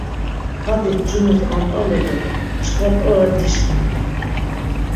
Badi ncumus ant̆alu do çkva t̆ora dişkidu.